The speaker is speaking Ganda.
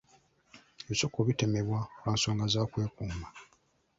Ebisiko bitemebwa lwa nsonga za kwekuuma.